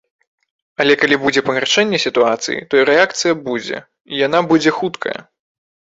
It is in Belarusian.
Але калі будзе пагаршэнне сітуацыі, то рэакцыя будзе, і яна будзе хуткая.